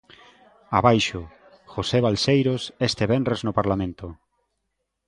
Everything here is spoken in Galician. Abaixo: José Balseiros, este venres no Parlamento.